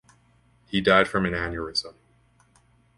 He died from an aneurysm.